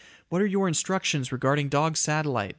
What are your instructions regarding dog satellite?"